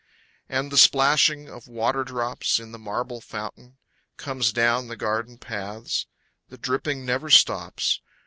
And the splashing of waterdrops In the marble fountain Comes down the garden paths. The dripping never stops.